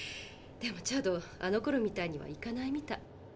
でもチャドあのころみたいにはいかないみたい。